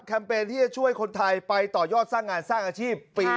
เปญที่จะช่วยคนไทยไปต่อยอดสร้างงานสร้างอาชีพปี๒